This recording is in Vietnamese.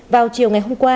vào chiều ngày hôm qua